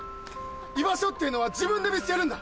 居場所っていうのは自分で見つけるんだ。